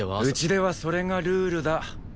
うちではそれがルールだ。